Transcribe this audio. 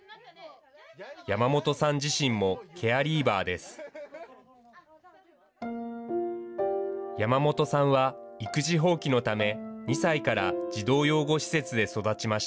山本さん自身もケアリーバーです。